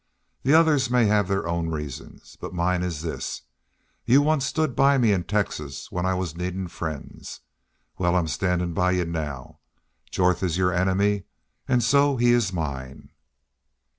The others may have their own reasons, but mine is this you once stood by me in Texas when I was needin' friends. Wal, I'm standin' by y'u now. Jorth is your enemy, an' so he is mine."